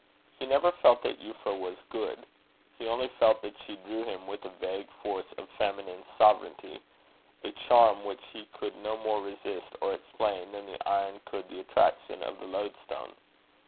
He never felt that Euphra was good. He only felt that she drew him with a vague force of feminine sovereignty a charm which he could no more resist or explain, than the iron could the attraction of the lodestone.